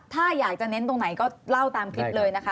ถ้าอยากจะเน้นตรงไหนก็เล่าตามคลิปเลยนะคะ